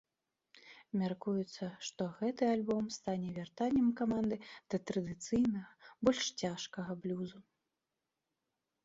Мяркуецца, што гэты альбом стане вяртаннем каманды да традыцыйнага больш цяжкага блюзу.